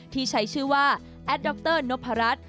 ที่ใช้ชื่อว่าแอดดอคเตอร์นพรัฐ